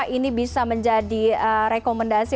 ini bisa menjadi rekomendasi